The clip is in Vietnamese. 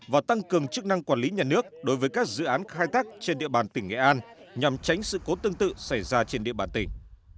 và tăng cường chức năng quản lý nhà nước đối với các dự án khai thác trên địa bàn tỉnh nghệ an nhằm tránh sự cố tương tự xảy ra trên địa bàn tỉnh